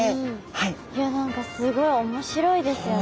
いや何かすごい面白いですよね。